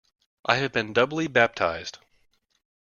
I have been doubly baptized.